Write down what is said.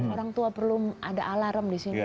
orang tua perlu ada alarm disini